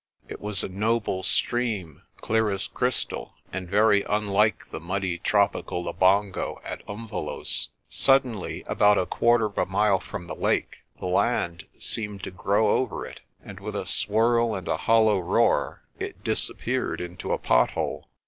It was a noble stream, clear as crystal, and very unlike the muddy tropical Labongo at Umvelos'. Suddenly, about a quarter of a mile from the lake, the land seemed to grow over it, and with a swirl and a hollow roar, it disappeared into a pot hole.